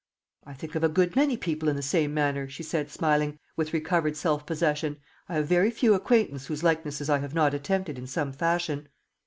"I think of a good many people in the same manner," she said, smiling, with recovered self possession. "I have very few acquaintance whose likenesses I have not attempted in some fashion."